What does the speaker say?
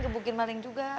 gebukin maling juga